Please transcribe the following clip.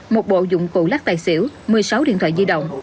một bộ dụng cụ lắc tài xỉu một mươi sáu điện thoại di động